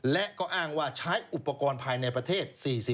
และก็อ้างว่าใช้อุปกรณ์ภายในประเทศ๔๐